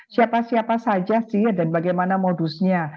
siapa siapa saja sih dan bagaimana modusnya